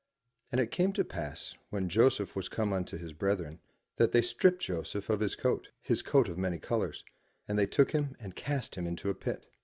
And it came to pass when Joseph was come unto his brethren, that they stript Joseph of his coat, his coat of many colours, and they took him and cast him into a pit.